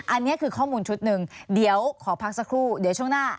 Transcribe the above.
อันนี้คือข้อมูลชุดหนึ่งเดี๋ยวขอพักสักครู่เดี๋ยวช่วงหน้า